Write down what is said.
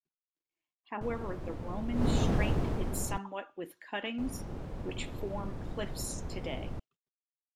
However, the Romans straightened it somewhat with cuttings, which form cliffs today.